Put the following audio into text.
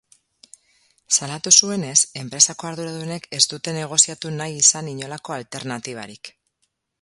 Salatu zuenez, enpresako arduradunek ez dute negoziatu nahi izan inolako alternatibarik.